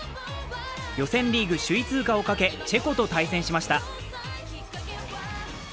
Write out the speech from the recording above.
予選リーグ首位通過をかけ、チェコと対戦しました。